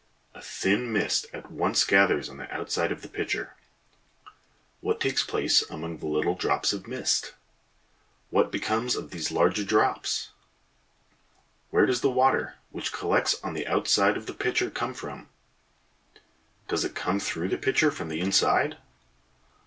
A thin mist at once gathers on the outside of the pitcher. What takes place among the little drops of mist? What becomes of these larger drops? Where does the water which collects on the outside of the pitcher come from? Does it come through the pitcher from the inside?